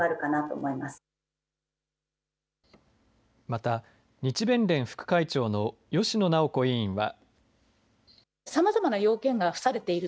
また、日弁連副会長の芳野直子委員は。